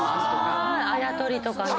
あやとりとかね。